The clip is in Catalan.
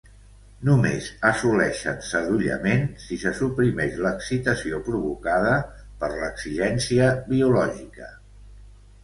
Només assoleixen sadollament si se suprimeix l'excitació provocada per l'exigència biològica.